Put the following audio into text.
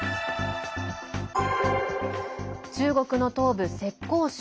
中国の東部、浙江省。